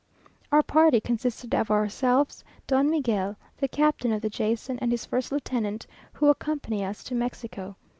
Our party consisted of ourselves, Don Miguel, the captain of the Jason and his first lieutenant, who accompany us to Mexico.